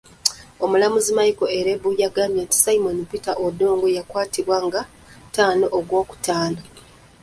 Omulamuzi Michael Elubu yagambye nti Simon Peter Odongo eyakwatibwa nga ttaano Ogwokutaano.